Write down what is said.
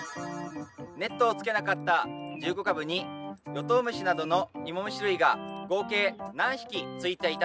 ネットをつけなかった１５株にヨトウムシなどのイモムシ類が合計何匹ついていたでしょうか？